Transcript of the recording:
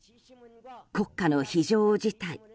国家の非常事態